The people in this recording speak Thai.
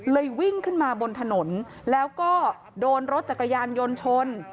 วิ่งขึ้นมาบนถนนแล้วก็โดนรถจักรยานยนต์ชน